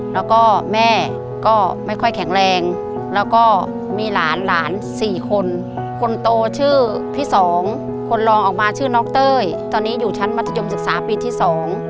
แล้วก็แม่ก็ไม่ค่อยแข็งแรงแล้วก็มีหลานหลานสี่คนคนโตชื่อพี่สองคนรองออกมาชื่อน้องเต้ยตอนนี้อยู่ชั้นมัธยมศึกษาปีที่สอง